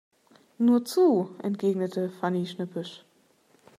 Nur zu, entgegnet Fanny schnippisch.